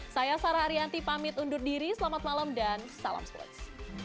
saya sarah ariyanti pamit undur diri selamat malam dan salam sports